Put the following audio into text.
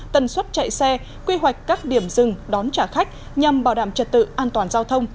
tần suất chạy xe quy hoạch các điểm dừng đón trả khách nhằm bảo đảm trật tự an toàn giao thông